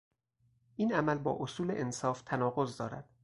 این عمل با اصول انصاف تناقض دارد.